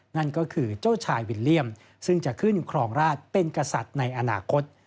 นั่นก็คือเจ้าชายวิลเลี่ยมซึ่งจะขึ้นครองราชเป็นกษัตริย์ในอนาคต